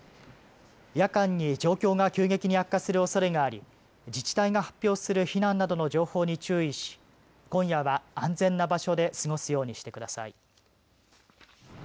夜間に状況が急激に悪化するおそれがあり自治体が発表する避難などの情報に注意し今夜は安全な場所で過ごすようにしてください。